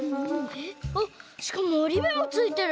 あっしかもおりめもついてる！